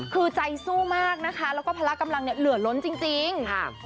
คือใจสู้มากนะคะแล้วก็พละกำลังเนี่ยเหลือล้นจริงครับ